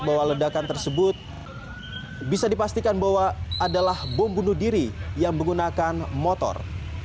bahwa ledakan tersebut bisa dipastikan bahwa adalah bom bunuh diri yang menggunakan motor